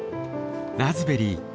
ラズベリー。